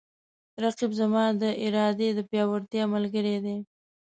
رقیب زما د ارادې د پیاوړتیا ملګری دی